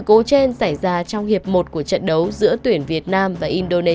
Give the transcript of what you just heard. cụ thể ra sao xin mời quý vị cùng theo dõi